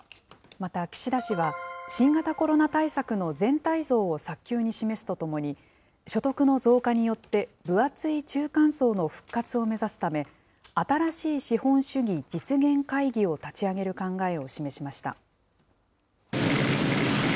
また岸田氏は、新型コロナ対策の全体像を早急に示すとともに、所得の増加によって分厚い中間層の復活を目指すため、新しい資本主義実現会議を立ち上げる考えを示しました。